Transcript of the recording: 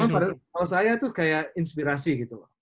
kalau saya tuh kayak inspirasi gitu